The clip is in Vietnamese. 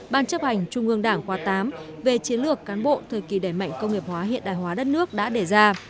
ban chấp hành trung ương đảng khóa tám về chiến lược cán bộ thời kỳ đẩy mạnh công nghiệp hóa hiện đại hóa đất nước đã đề ra